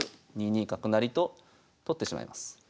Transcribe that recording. ２二角成と取ってしまいます。